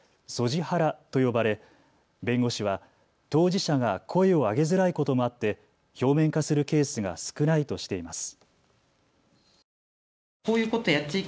ハラと呼ばれ、弁護士は当事者が声を上げづらいこともあって表面化するケースが少ないとしています。